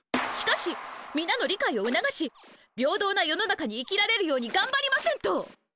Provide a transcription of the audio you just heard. しかし皆の理解を促し平等な世の中に生きられるように頑張りませんと！